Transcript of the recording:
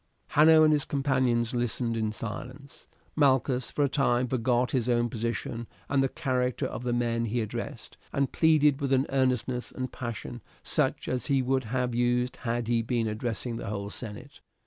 Hanno and his companions listened in silence. Malchus for a time forgot his own position and the character of the men he addressed, and pleaded with an earnestness and passion such as he would have used had he been addressing the whole senate.